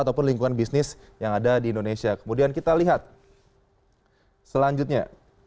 ataupun lingkungan bisnis yang ada di indonesia kemudian kita lihat selanjutnya